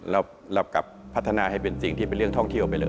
เรากลับพัฒนาให้เป็นสิ่งที่เป็นเรื่องท่องเที่ยวไปเลย